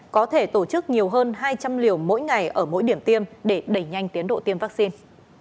có thể tổ chức nhiều hơn hai trăm linh liều mỗi ngày ở mỗi điểm tiêm để đẩy nhanh tiến độ tiêm vaccine